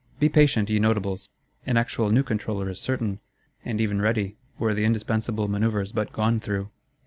Be patient, ye Notables! An actual new Controller is certain, and even ready; were the indispensable manœuvres but gone through.